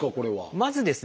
まずですね